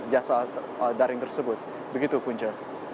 jasa daring tersebut begitu punca